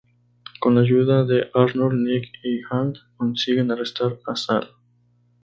Con la ayuda de Arnold, Nick y Hank consiguen arrestar a Sal.